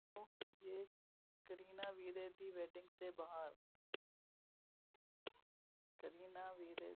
Kareena Veere Di wedding سے باہر